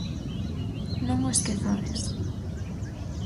Non o esquezades: